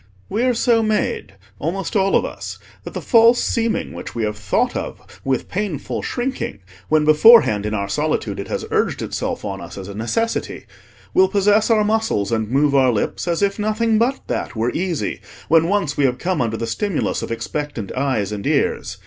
We are so made, almost all of us, that the false seeming which we have thought of with painful shrinking when beforehand in our solitude it has urged itself on us as a necessity, will possess our muscles and move our lips as if nothing but that were easy when once we have come under the stimulus of expectant eyes and ears.